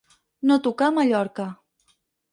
No tocar a Mallorca.